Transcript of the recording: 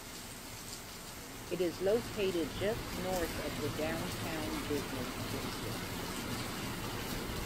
It is located just north of the downtown business district.